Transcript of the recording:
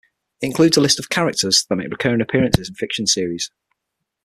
It includes a list of characters that make recurring appearances in fiction series.